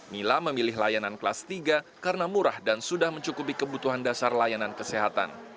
mila memilih layanan kelas tiga karena murah dan sudah mencukupi kebutuhan dasar layanan kesehatan